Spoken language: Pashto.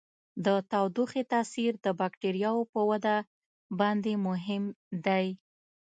د تودوخې تاثیر د بکټریاوو په وده باندې مهم دی.